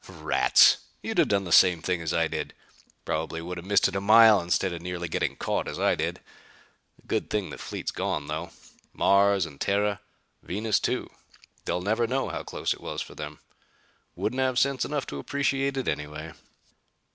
"Rats! You'd have done the same as I did. Probably would have missed it a mile instead of nearly getting caught as I did. A good thing the fleet's gone, though. Mars and Terra Venus, too they'll never know how close it was for them. Wouldn't have sense enough to appreciate it, anyway."